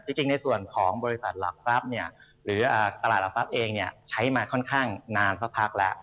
จริงในส่วนของบริษัทหลักทรัพย์หรือตลาดหลักทรัพย์เองใช้มาค่อนข้างนานสักพักแล้ว